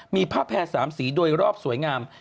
มีผ้าแพร่๓สีโดยรอบสวยงาม